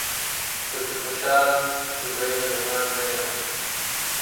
پکې خوشال، زبیر زمان نه یمه